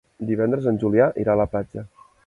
Divendres en Julià irà a la platja.